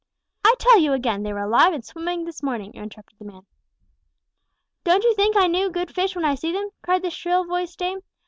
"I tell you again, they were alive and swimming this morning," interrupted the man. "Don't you think I know good fish when I see them?" cried the shrill voiced dame.